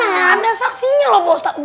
ada saksinya pak ustadz